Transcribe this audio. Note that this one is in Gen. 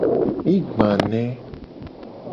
Mi gba ne.